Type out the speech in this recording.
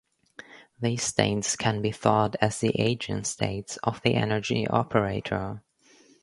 These states can be thought as the eigenstates of the energy operator.